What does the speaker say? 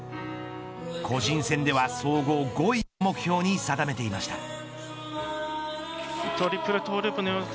個人戦では総合５位を目標に定めていました。